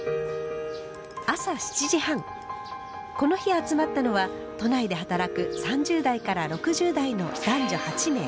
この日集まったのは都内で働く３０代から６０代の男女８名。